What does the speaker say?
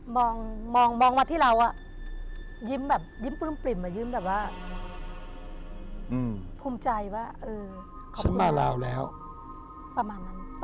มองมาที่เรายี้มแบบเกร็มพุ่มใจว่าขอบคุณครับ